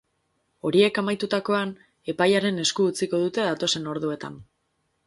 Horiek amaitutakoan, epailearen esku utziko dute datozen orduetan.